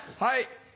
はい。